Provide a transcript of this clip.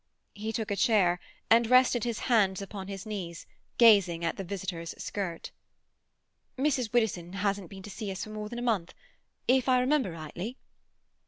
He took a chair, and rested his hands upon his knees, gazing at the visitor's skirt. "Mrs. Widdowson hasn't been to see us for more than a month—if I remember rightly."